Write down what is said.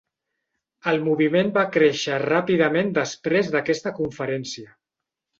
El moviment va créixer ràpidament després d'aquesta conferència.